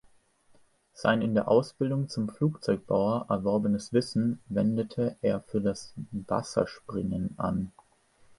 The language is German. Sein in der Ausbildung zum Flugzeugbauer erworbenes Wissen wendete er für das Wasserspringen an.